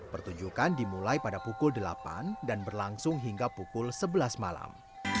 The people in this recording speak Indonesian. pertunjukan dimulai pada pukul delapan dan berlangsung hingga pukul sebelas malam